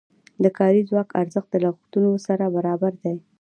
د کاري ځواک ارزښت له لګښتونو سره برابر دی.